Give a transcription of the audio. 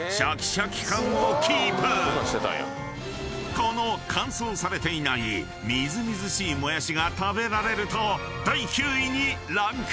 ［この乾燥されていないみずみずしいもやしが食べられると第９位にランクイン］